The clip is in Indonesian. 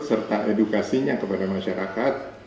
serta edukasinya kepada masyarakat